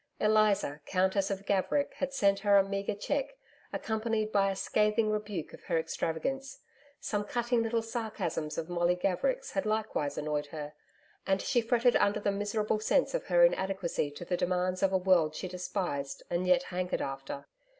Eliza Countess of Gaverick had sent her a meagre cheque, accompanied by a scathing rebuke of her extravagance. Some cutting little sarcasms of Molly Gaverick's had likewise annoyed her, and she fretted under the miserable sense of her inadequacy to the demands of a world she despised and yet hankered after.